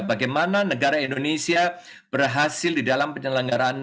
bagaimana negara indonesia berhasil di dalam penyelenggaraan covid sembilan belas ini